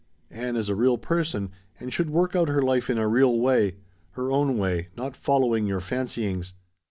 Ann is a real person and should work out her life in a real way, her own way, not following your fancyings.